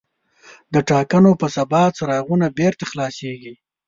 د ټاکنو په سبا څراغونه بېرته خلاصېږي.